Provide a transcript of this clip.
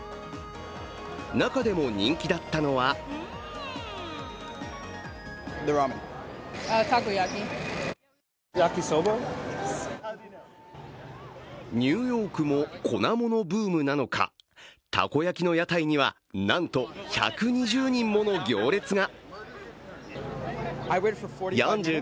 中でも人気だったのはニューヨークも粉ものブームなのか、たこ焼きの屋台には、なんと１２０人もの行列が。